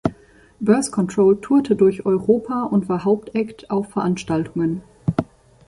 Birth Control tourte durch Europa und war Hauptact auf Veranstaltungen.